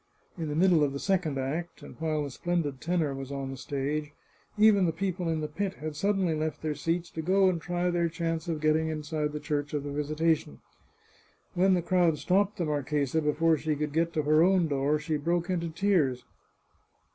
In the middle of the second act, and while the splendid tenor was on the stage, even the people in the pit had suddenly left their seats to go and try their chance of getting inside the Church of the Visitation. When the crowd stopped the marchesa before she could get to her own door, she broke into tears.